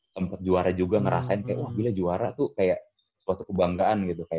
sempet juara juga ngerasain kayak wah gila juara tuh kayak suatu kebanggaan gitu